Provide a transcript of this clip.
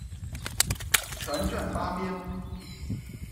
全卷八编。